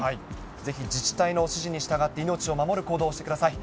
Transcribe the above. ぜひ、自治体の指示に従って、命を守る行動をしてください。